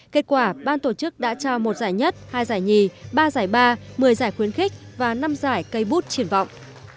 kết quả ban tổ chức đã trao một giải nhất hai giải nhì ba giải ba một mươi giải khuyến khích và năm giải cây bút triển vọng